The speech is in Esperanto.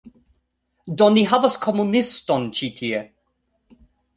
Do, ni havas komuniston ĉi tie